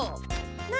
何？